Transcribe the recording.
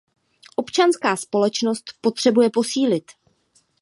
Občanská společnost potřebuje posílit.